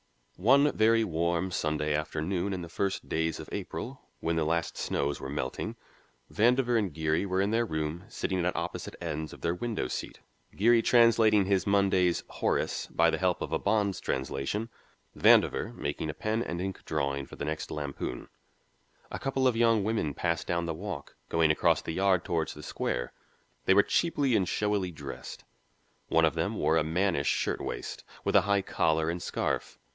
One very warm Sunday afternoon in the first days of April, when the last snows were melting, Vandover and Geary were in their room, sitting at opposite ends of their window seat, Geary translating his Monday's "Horace" by the help of a Bonn's translation, Vandover making a pen and ink drawing for the next Lampoon. A couple of young women passed down the walk, going across the Yard toward the Square. They were cheaply and showily dressed. One of them wore a mannish shirtwaist, with a high collar and scarf.